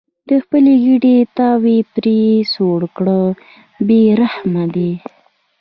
د خپلې ګېډې تاو یې پرې سوړ کړل بې رحمه دي.